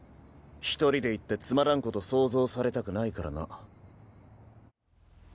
１人で行ってつまらんこと想像されたくないからな。